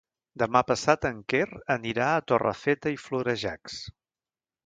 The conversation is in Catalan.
Demà passat en Quer anirà a Torrefeta i Florejacs.